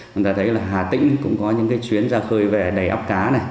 chúng ta thấy hà tĩnh cũng có những chuyến ra khơi về đầy ốc cá